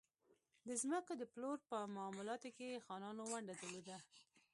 د ځمکو د پلور په معاملاتو کې خانانو ونډه درلوده.